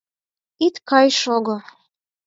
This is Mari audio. Ит кай, шого.